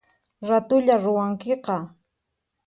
Ratullaya ruwankiqa